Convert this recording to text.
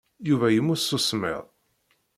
Yuba yemmut seg usemmiḍ.